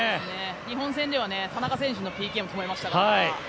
日本戦では田中選手のＰＫを止めましたから。